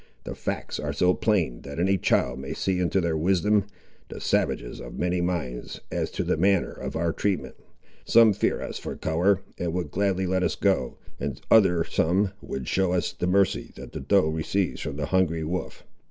The facts are so plain that any child may see into their wisdom. The savages are of many minds as to the manner of our treatment. Some fear us for colour, and would gladly let us go, and other some would show us the mercy that the doe receives from the hungry wolf.